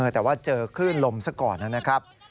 แต่ว่าเจอคลื่นลมซะก่อนนะครับ